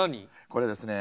これですね